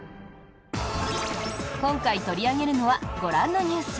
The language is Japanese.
今回、取り上げるのはご覧のニュース。